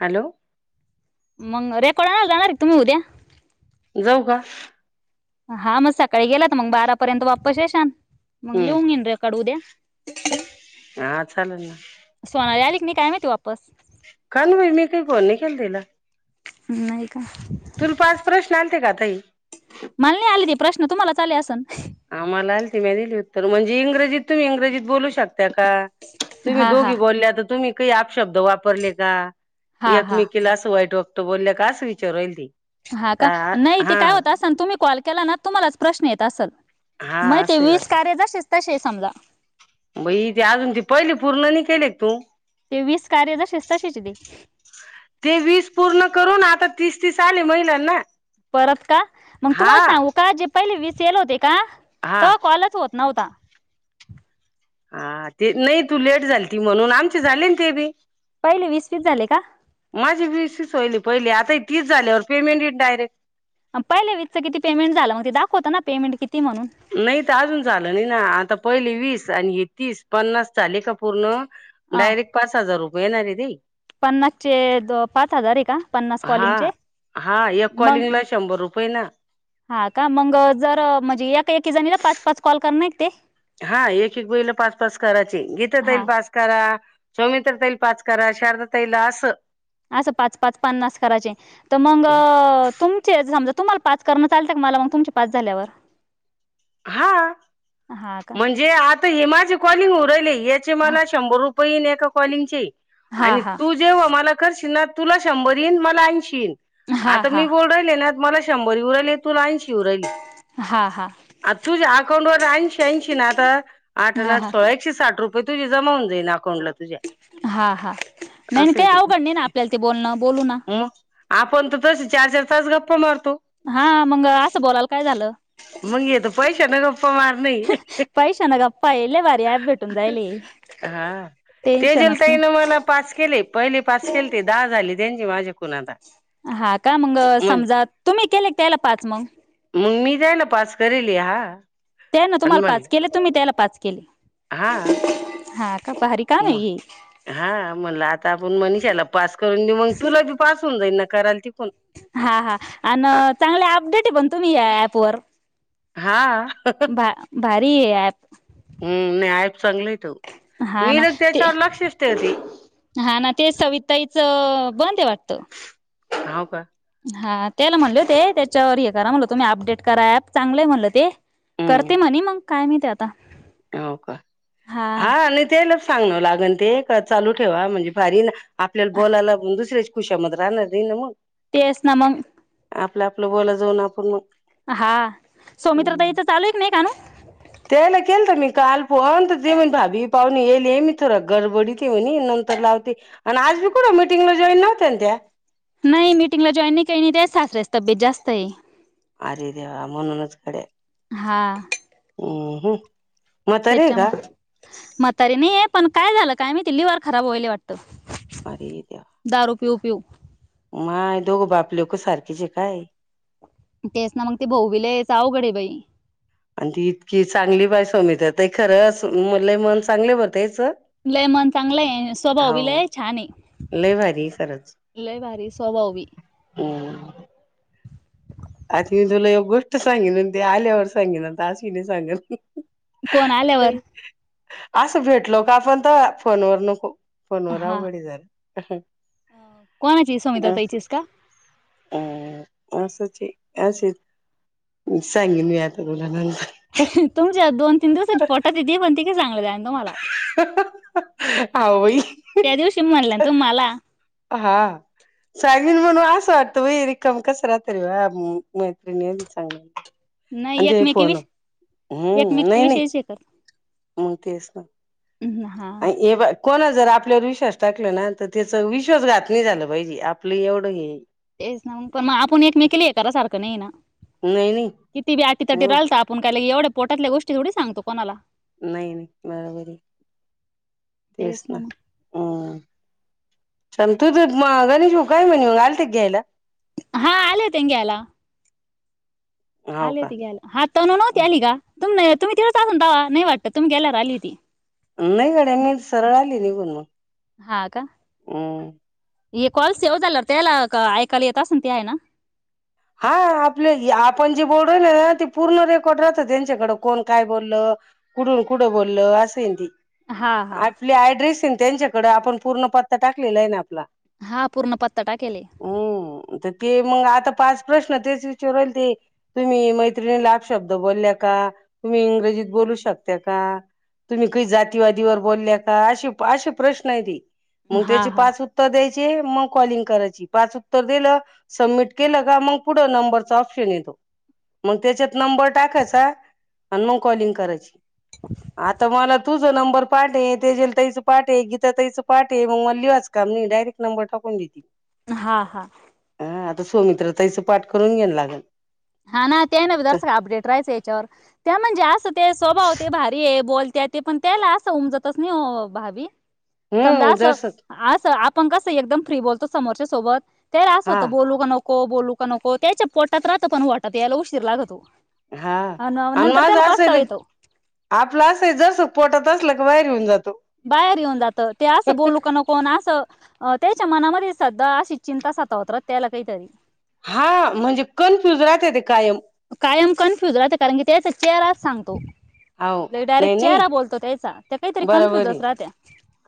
Hello. मग [unintelligible] जाणार तुम्ही उद्या. जाऊ का? हा मग सकाळी गेला तर मग बारा पर्यंत वापस येशान. मंग हम्म लिहून घीन रेकॉर्ड उद्या. [unintelligible] हा चालेल ना. सोनाली आली. [unintelligible] काय माहिती वापस. काण बाई मी काही फोन नाही केल तिल. नाही का. तुला पाच प्रश्न आलते का ताई. माल नाही आलते. प्रश्न तुम्हालाच आले असन. आम्हा ला आल त दिली उत्तर म्हणजे इंग्रजी तुम्हीं इंग्रजीत बोलू शकता. त्याका तुम्ही हा हा दोघी बोलले आता तुम्ही [unintelligible] शब्द वापरले का हा हा एकमेकिला अस वाईट तो बोलल्या काच विचारु राहील ती हा का नाही ते हा काय होत असन तुम्ही कॉल केला ना तुम्हालाच प्रश्न येत असेल. हा माहिती असंही वीस कार्य जशीच तसे समजा. बई ते अजून ते पहिले पूर्ण नाही केले का तू? ते वीस कार्य जसेस तसेच ते. ते वीस पूर्ण करून आता तीस तीस आले महिलांना. परत का मग हा तुम्हाला सांगू का जे पहिले वीस येयले होते. का हा तवा कॉलच होत नव्हता हा ते नाही तू लेट झालती म्हणून आमचे झालेना ते बी. पहिले वीस वीस झाले का? चली पहिले आता तीस झाल्यावर पेमेंट डायरेक्ट पहिले वीस चं किती पेमेंट झाल मग ते दाखवत ना पेमेंट किती? म्हणून नाही तर अजून झालं नाही ना आता पहिले वीस आणि हे तीस पन्नास झाले का पूर्ण, अ डायरेक्ट पाच हजार रुपये येणार [unintelligible] पन्नासचे पाच हजार आहे का पन्नास हा कॉलिंगचे हा एक मग कॉलिंगला शंभर रुपये ना हा का मग जर म्हणजे एका कीती जणीला पाच पाच कॉल करणारेत ते. हा एक एक बाईला पाच पाच करायचे गीताताई हा पाच करा. सौमित्रा ताई पाच करा शालु ताईल असं. असं पाच पाच पन्नास करायचे तर मग तुमचे समजा तुम्हाला पाच करणं चालतं का मला मग तुमच्या पाच झाल्यावर? हा हा का म्हणजे आ हे माझे कॉलिंग होऊ राहीले. याचे हा मला शंभर रुपये पई एका काॉलिंगचे. हा आणि हा तू जेव्हा मला करशील ना तुला शंभर येईन मला ऐंशीईन. हा आता हा मी बोला [unintelligible] शंभर [unintelligible] हा हा. आ तुझ्या अकाउंटवर ऐंशी ऐंशी ना आता आठ आणि हा आठ हा सोळा एकशे साठ रुप तुझी जमावून जाई ना. हा हा नाही असं आहे काही ते अवघड नाही ना आपल्याला ते बोलणं बोलू ना. मग आपण [unintelligible] चार चार तास गप्पा मार हा मग असं बोलाल काय झालं. मंग येत पैशा न गप्पा मारणे. पैशानं गप्पा आहे लय भारी ॲप भेटून जायले हा ते [unintelligible] टेन्शनच नाही तईन मला पाच केले पहिली पाच केल ते दहा झाली. [unintelligible] कुणाला. हा का मग समजा तुम्ही केले त्यायला पाच मग. मग मी जायला पाच करे [unintelligible] त्या ना तुम्हाला पाच केले तुम्ही त्याला. पाच केले. हा हा का भारी काम आहे म हे हा म्हणलं आता आपण मनिषाला पाच करून देऊ मग तुला बी पाच होन जाईल. कराल ती. पण हा हा अन चांगल अपडेट आहे पण तुम्ही या ऍप वर. हा. भा, भारी हे याप. हम्म नाही. चांगलं तो हा मी ना लग ते त्याच्यावर लक्षच ठेवते हा ना ते सविताईच बंद वाट हो का [unintelligible] हा त्याला म्हणले होते त्याच्यावर येत. करा म्हटलं तुम्ही अपडेट करा ऍप चांगलंय म्हणलं ते. हम्म करते म्ह [unintelligible] काय माहीती आता. हो का. हा आले ते ल [unintelligible] ते चालू ठेवा म्हणजे फारी ना. आपल्याला बोयला दुसरे खुश [unintelligible] तेच ना मंग आपलं आपलं बोला जाऊन आपण हा सौमित्रा मग ताईच चालू आहे एक नाही काणू? त्याला केल तर मी काल पोण जे म्हण भाभी पाहून येले मी थोडं गडबडीती म्हणे नंतर लावते आणि आज मी कुठ मीटिंगला जॉईन नव्हत्या ना त्या? नाही मिटिंगला जॉईन नाही का नाही सासर्याची तब्येत जास्त आहे. अरे देवा म्हणूनच कडे हा ह हं तेच्या मग म्हातारी नाहीयेत पण काय झालं काय मी ते लिवर खराब व्हायले वाटतं. आरे देवा! पीऊ पीऊ माय दोघं बाप लोक सारखीच काय? तेच ना मग ते भाऊ गेले हिचं अवघड आहे बाई. आणि ती इतकी चांगली बाय सोमित्रा ताई ते खरंच म्हलं मन चांगले भर लय मन चांगलंय स्वभाव बी हाव लय छान लय भारी खरंच आहे लय भारी स्वभाव बी. हम्म आता मी तुला एक गोष्ट सांगेन ते आल्यावर सांगेन आता आश्विनी सांगेन. कोण आल्यावर? असं भेटलो का आपण तवा फोनवर नको. फोनवर अवघडे जरा. हम्म अ कोणाची सुमित्रा ताईचीच का? असेच सांगेन मी आता तुला नंतर. तुमच्या दोन तीन दिवसच पोटात ये ते पण ते सांगलं जान हा व बाई त्या दिवशी म्हणलं ना तुम्ही मला हा सांग म्हणून असं वाटतं बाई रिकाम कस राहत्या तरी बाह्या मैत्रिणी मधी चांगल्या आणि नाही ते एकमेकी फोन विषयी एकमेकी विषयी हे करता मंग तेच ना. हा अ ए बाई कोण? जर आपल्यावर विश्वास टाकल ना तर त्याच विश्वासघात नाही झालं पाहिजे आपलं एवढं हे ये. तेच ना पण मग आपण एकमेकीला हे करासारखं नाहीये ना? नाही नाही किती बी हम्म अटीतटीला आलतं आपण काय लगे एवढं का पोटातल्या गोष्ट थोडी सांगतो कोणाला नाही नाही बराबर तेच ना हम्म चल तर ते मा गणेश भाऊ काय म्हणे मग आलते का घ्यायला? हा आले होते ना घ्यायला. हाव आले का होते घ्यायला. हा तनु नव्हती आली का? तुमन तुम्ही तेव्हाच असणं तवा नाही वाटतं तुम्ही गेल्यावर आली होती. नाही गड्या मी सरळ आली निघून म हा का ये कॉल सेव झाल्यावर त्याला ऐकायला येत असन ते हाय ना. हा आपले हे आपण जे बोलय ना ते पूर्ण रेकॉर्ड राहत त्यांच्याकड कोण काय बोलल कुडून कुड बोलल असं ये ते हा हा आपली ऍड्रेस हेन त्यांच्याकडं आपण पूर्ण पत्ता टाकलेला हाय ना आपला हा पूर्ण पत्ता टाकेले. हम्म तर ते मंग आता पाच प्रश्न तेच विचारू राहिले ते तुम्ही मैत्रिणीला अपशब्द बोलल्या का? तुम्ही इंग्रजीत बोलू शकत्या का? तुम्ही काही जातीवादीवर बोलल्या का? असे असे प्रश्न हाय ते मंग हा त्याची हा पाच उत्तर द्याय ते मंग कॉलिंग करायची पाच उत्तर दिलं, समिट केलं का मंग पुढ नंबरचा ऑपशन येतो मग त्याच्यात नंबर टाकायचा अन् मग कॉलिंग कराची. आता मला तूच तुझा नंबर पाठ ये, तेजेल ताईचा पाठ ये, गीता ताईचं पाठ ये, मग मला लिवाच काम नाय डायरेक्ट नंबर टाकून देती. हा हा हा आता सुमित्रा ताईच पाठ करून घ्यायला लागल. हा ना ते हाय न तर जरासं अपडेट राहायचं याच्यावर त्या म्हणजे असं ते स्वभाव ते भारी आहे बोल त्या ते पण त्यायला असं उमजतच नाही ओ भाभी. समजा हम्म असं जरस असं आप पण कसं एकदम फ्री बोलतो समोरच्या सोबत तेला असं हा होतं बोलू का नक को बोलू का नको त्याच्या पोटात रात तो पण वाटत यायला उशीर लागतो. हा आणि आन नंतर माझं त्याला असंय पस्ताव ना येतो आपलं असय जराक पोटात असल [unintelligible] बाहेर होऊन जात बाहेर येऊन जातं ते असं बोलू का नको अन असं अ त्यांच्या मनामध्ये सद्दा अशी चिंता सतावत रहात त्याला काहीतरी हा म्हणजे कन्फ्युज राहतय ते कायम कायम कन्फ्युज राहंत कारण की, त्याचा चेहराच सांगतो. हो लय नाही डायरेक्ट नाही चेहरा बोलतो त्यांचा ते काहीतरी बरोबर आहे कन्फ्युजच राहत्यां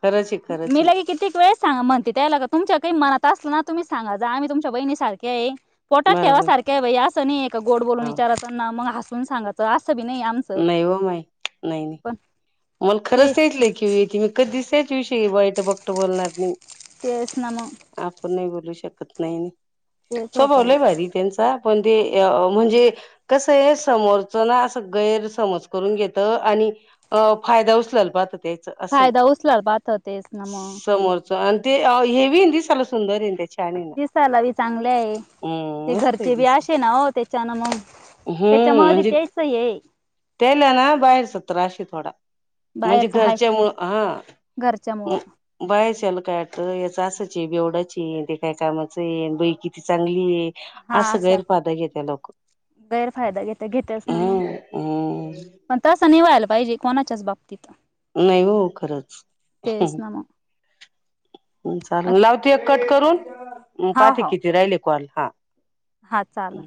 खरंच आहे खरंच मी आहे लई कितीक वेळेस सांगा म्हणते त्यायला का तुमच्या काही मनात असलं ना तुम्ही सांगा जा आम्ही तुमच्या बहिणी सारख्या ये पोटात बरोबर ठेवासारख्या ये बई असं तनी एक का गोड बोलून आहे हो विचारा त्यांना, मग आ - ण सांगतो [unintelligible] नाही हो माई, नाही नाही. पण मला ते खरंच ऐकलंय की मी- दिसे- त्याविषयी वाईट वकटं बोलणार नै तेच ना मग आपण नै बोलू शकत. [unintelligible] नाही तेच स्वभाव होतं ना लई भारीय त्यांचा. पण ते -म्हणजे अ कसं ए? समोरच्याला ना असं गैरसमज करून घेतं आणि- अ फायदा उचलायला पहातो. फायदा उचलायला पाहाता ते तेच ना मग. आन ते हेबी दिसायलाते सुंदरये ना त्याची. दिसायला बी चांगले आहे, ते हम्म मस्त आहे घरचे बी दिस असे आहे ना हो त्याच्यान मग- हम्म त्याच्यामुळे बी म्हणजे तेच ये हे. बघा म्हणजे घरच्यामुळं हा- घरच्यामुळं [unintelligible] कायशल काय? याचं असंच ए बेवडाच आहे, ते काय कामाचंये? न बाई किती चांगली आहे. हा असं असा गैरफायदा घेत्या लोक -गैरफायदा घेता घेत्याच ना मंग, हम्म हम्म पण तस नाई व्हायला पाहिजे. बाहिजे कोणाचाच बाप- नाही हो खरच. तेच ना मग चाल लावतेये कट करून? हा पाहाते हा किती राहिले कॉल? हा हा चाल.